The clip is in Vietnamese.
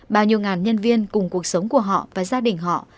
bao nhiêu ngàn nhân viên cùng cuộc sống của họ và gia đình họ